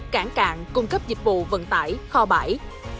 cảng cạn cung cấp dịch vụ vận tải kho bãi